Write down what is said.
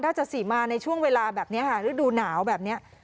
สีมาในช่วงเวลาแบบนี้ค่ะฤดูหนาวแบบนี้